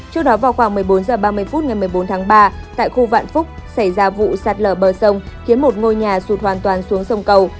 trước đó vào khoảng một mươi bốn h ba mươi phút ngày một mươi bốn tháng ba tại khu vạn phúc xảy ra vụ sạt lở bờ sông khiến một ngôi nhà sụt hoàn toàn xuống sông cầu